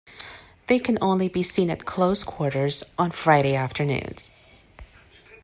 They can only be seen at close quarters on Friday afternoons.